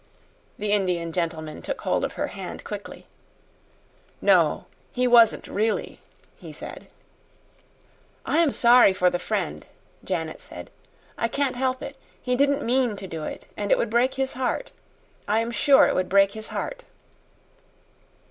The Indian gentleman took hold of her hand quickly. "No, he wasn't really," he said. "I am sorry for the friend," Janet said; "I can't help it. He didn't mean to do it, and it would break his heart. I am sure it would break his heart."